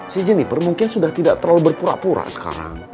si jenniper mungkin sudah tidak terlalu berpura pura sekarang